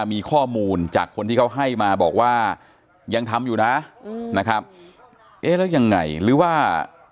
มีข้อมูลจากคนที่เขาให้มาบอกว่ายังทำอยู่นะนะครับเอ๊ะแล้วยังไงหรือว่า